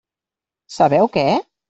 Sabeu què?